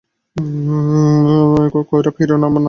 Kaurav hero না villain?